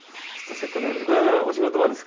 せっかくなんで。